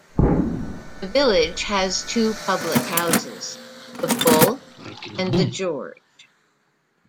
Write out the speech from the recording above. The village has two public houses - The Bull and The George.